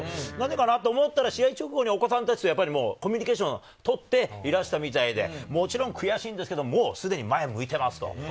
なぜかな？と思ったら、試合直後、お子さんたちとコミュニケーションをとっていらしたみたいで、もちろん悔しいんですけれど、もう既に前を向いています。